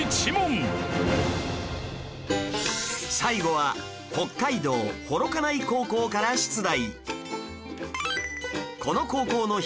最後は北海道幌加内高校から出題